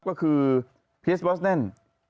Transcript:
ก็คือเพียสบอสแนนน